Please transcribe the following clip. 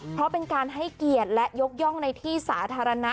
เพราะเป็นการให้เกียรติและยกย่องในที่สาธารณะ